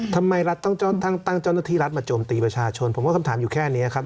ทำไมรัฐต้องตั้งเจ้าหน้าที่รัฐมาโจมตีประชาชนผมว่าคำถามอยู่แค่นี้ครับ